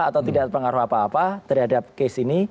atau tidak ada pengaruh apa apa terhadap kes ini